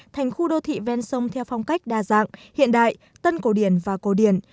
thành khu đô thị ven sông theo phong cách đa dạng hiện đại tân cổ điển và cổ điển